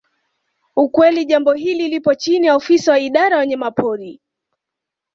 Ukweli jambo hili lipo chini ya ofisa wa idara ya wanyamapori